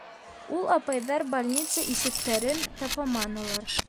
Ул апайҙар больница ишектәрен тапаманылар.